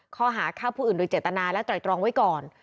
ข้อหาฆ่าผู้อื่นโดยเจตนาและไตรตรองไว้ก่อน